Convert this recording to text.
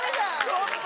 ちょっと！